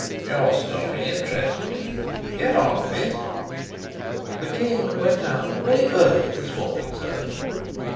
"Your story interests me. Go on with it." "The king went out very early this morning, sir."